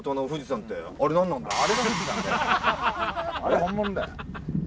あれ本物だよ